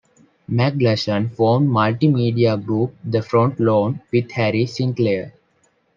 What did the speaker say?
McGlashan formed multi-media group The Front Lawn with Harry Sinclair.